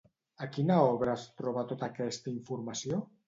A quina obra es troba tota aquesta informació?